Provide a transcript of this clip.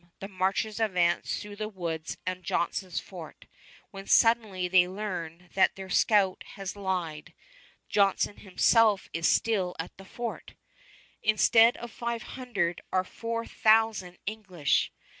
the marchers advance through the woods on Johnson's fort, when suddenly they learn that their scout has lied, Johnson himself is still at the fort. Instead of five hundred are four thousand English.